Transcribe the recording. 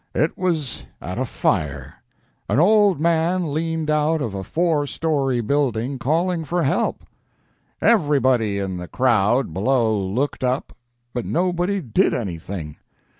It was at a fire. An old man leaned out of a four story building, calling for help. Everybody in the crowd below looked up, but nobody did anything.